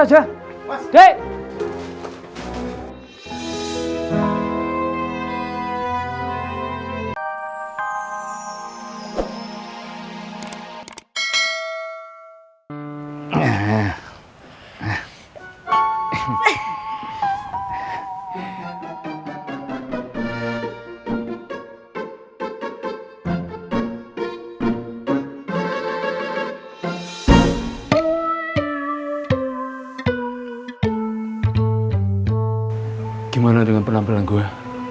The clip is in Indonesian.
jazznya jangan dibawa mas